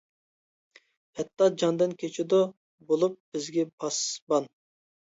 ھەتتا جاندىن كېچىدۇ، بولۇپ بىزگە پاسىبان.